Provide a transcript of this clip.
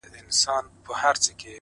زموږ پر زخمونو یې همېش زهرپاشي کړې ده-